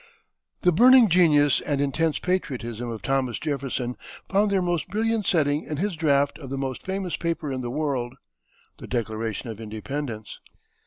The burning genius and intense patriotism of Thomas Jefferson found their most brilliant setting in his draft of the most famous paper in the world, the Declaration of Independence.